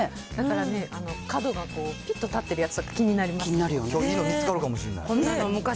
だからね、角がぴっと立ってるやつとか気になりますよね。